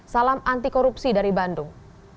salam anti korupsi dari bandung